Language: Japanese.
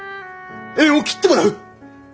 縁を切ってもらう。